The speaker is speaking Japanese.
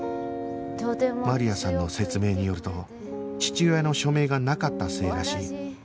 マリアさんの説明によると父親の署名がなかったせいらしい